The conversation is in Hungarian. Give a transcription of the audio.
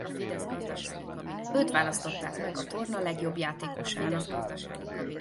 Őt választották meg a torna legjobb játékosának.